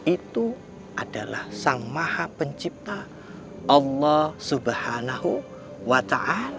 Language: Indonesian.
itu adalah sang maha pencipta allah swt